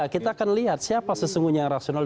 kita akan lihat siapa sesungguhnya yang rasional